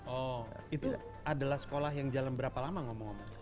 oh itu adalah sekolah yang jalan berapa lama ngomong ngomong